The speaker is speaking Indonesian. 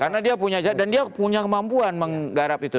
karena dia punya jasa dan dia punya kemampuan menggarap itu